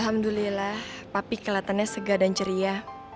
alhamdulillah papi kelihatannya segah dan ceria